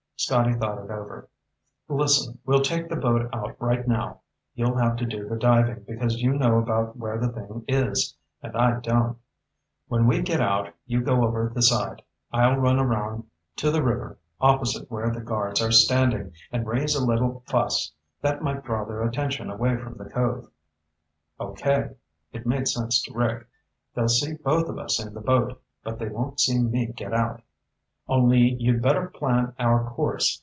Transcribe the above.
Scotty thought it over. "Listen, we'll take the boat out right now. You'll have to do the diving, because you know about where the thing is, and I don't. When we get out, you go over the side. I'll run around to the river, opposite where the guards are standing, and raise a little fuss. That might draw their attention away from the cove." "Okay." It made sense to Rick. "They'll see both of us in the boat, but they won't see me get out. Only you'd better plan our course.